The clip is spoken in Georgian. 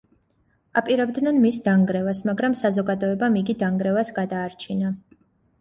აპირებდნენ მის დანგრევას მაგრამ საზოგადოებამ იგი დანგრევას გადაარჩინა.